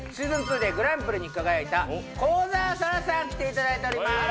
ｓｅａｓｏｎ２」でグランプリに輝いた幸澤沙良さん来ていただいております